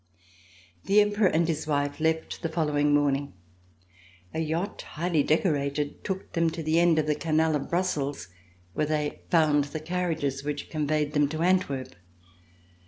The Emperor and his wife left the following morn ing. A yacht highly decorated took them to the end of the Canal of Brussels where they found the carriages which conveyed them to Antwerp.